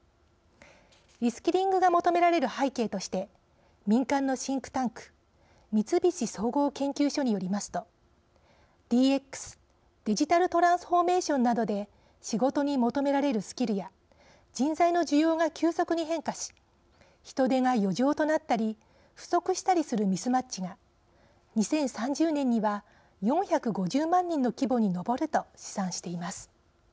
リスキリングが求められる背景として民間のシンクタンク三菱総合研究所によりますとＤＸ＝デジタルトランスフォーメーションなどで仕事に求められるスキルや人材の需要が急速に変化し人手が余剰となったり不足したりするミスマッチが２０３０年には４５０万人の規模に上ると試算しています。